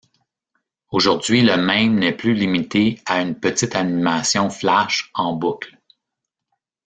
Aujourd'hui, le mème n'est plus limité à une petite animation Flash en boucle.